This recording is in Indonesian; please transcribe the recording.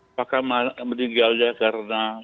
apakah meninggalnya karena